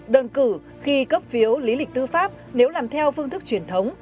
đơn cử khi cấp phiếu lý lịch tư pháp nếu làm theo phương thức truyền thống